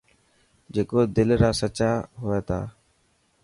جڪو دل را سچا هئني ٿا.